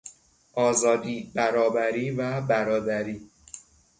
آزادی، برابری و برادری